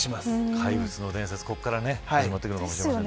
怪物の伝説、ここから始まるのかもしれません。